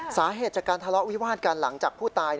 สาเหตุจากการทะเลาะวิวาดกันหลังจากผู้ตาย